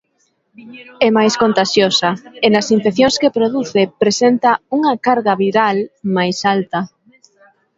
É máis contaxiosa e nas infeccións que produce presenta unha carga viral máis alta.